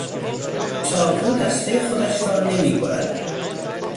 چاقو دستهٔ خودش را نمیبرد.